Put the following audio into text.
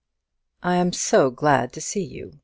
"I am so glad to see you!